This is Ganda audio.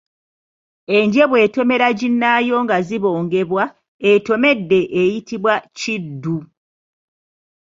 Enje bw’etomera ginnaayo nga zibongebwa, etomedde eyitibwa Kiddu.